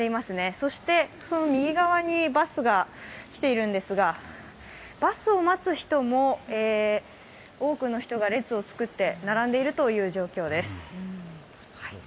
そしてその右側にバスが来ているんですが、バスを待つ人も多くの人が列を作って並んでいるという状況です。